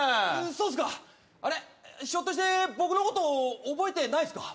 そうっすかあれひょっとして僕のこと覚えてないっすか？